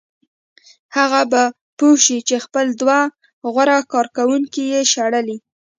هغه به پوه شي چې خپل دوه غوره کارکوونکي یې شړلي